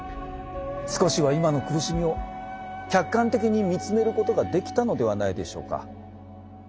少しは今の苦しみを客観的に見つめることができたのではないでしょうか？